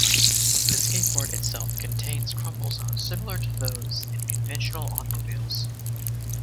The skateboard itself contains crumple zones similar to those in conventional automobiles.